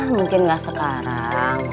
mungkin gak sekarang